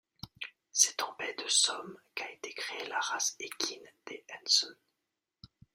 C'est en baie de Somme qu'a été créée la race équine des Hensons.